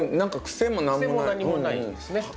癖も何もないんですね。